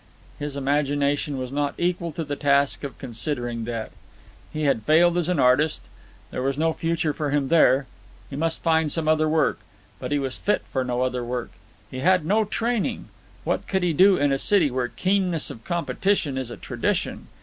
His imagination was not equal to the task of considering that. He had failed as an artist. There was no future for him there. He must find some other work. But he was fit for no other work. He had no training. What could he do in a city where keenness of competition is a tradition?